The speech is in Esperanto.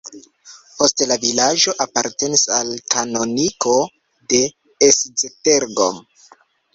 Poste la vilaĝo apartenis al kanoniko de Esztergom.